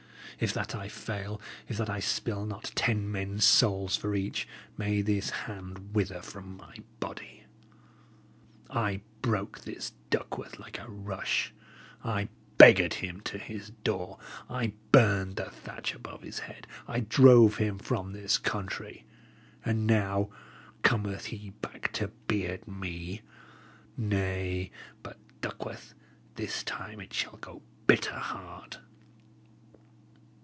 If that I fail, if that I spill not ten men's souls for each, may this hand wither from my body! I broke this Duckworth like a rush; I beggared him to his door; I burned the thatch above his head; I drove him from this country; and now, cometh he back to beard me? Nay, but, Duckworth, this time it shall go bitter hard!"